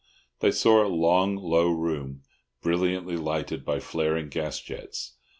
They saw a long, low room, brilliantly lighted by flaring gas jets.